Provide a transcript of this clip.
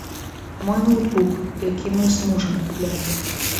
Мой ноўтбук, які мы з мужам куплялі.